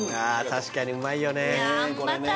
確かにうまいよね